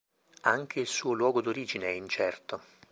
Anche il suo luogo d'origine è incerto.